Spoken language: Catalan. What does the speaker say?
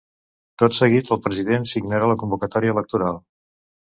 Tot seguit, el president signarà la convocatòria electoral.